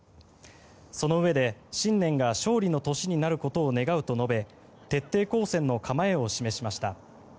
そのうえで新年が勝利の年になることを願うと述べ徹底抗戦の構えを示しました。